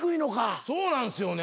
そうなんすよね。